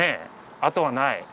あとはない。